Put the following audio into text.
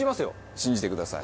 信じてください。